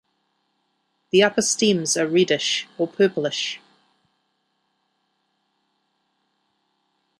The upper stems are reddish or purplish.